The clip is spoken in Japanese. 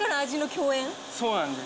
そうなんです。